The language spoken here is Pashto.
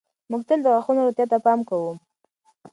موږ تل د غاښونو روغتیا ته پام کوو.